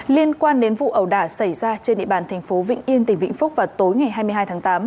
liên quan đến vụ ẩu đả xảy ra trên địa bàn thành phố vĩnh yên tỉnh vĩnh phúc vào tối ngày hai mươi hai tháng tám